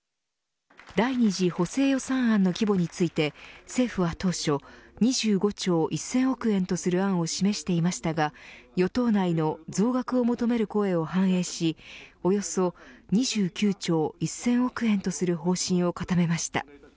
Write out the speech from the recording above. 第２次補正予算案の規模について政府は当初、２５兆１０００億円とする案を示していましたが与党内の増額を求める声を反映しおよそ２９兆１０００億円とする方針を固めました。